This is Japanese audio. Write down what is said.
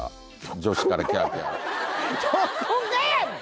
どこがやねん！